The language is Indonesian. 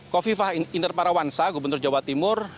kofifah interparawansa gubernur jawa timur